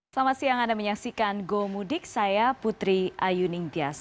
selamat siang anda menyaksikan go mudik saya putri ayu ningtyas